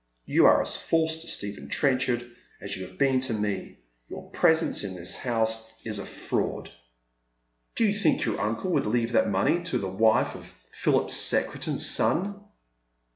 You are as false to Stephen Trenchard $8 you have been to me. Your proseucck iu this house is a fraud. 176 Dead Merit Skot%. Do you think your uncle would leave his money to the wife dL Philip Secretan's son?"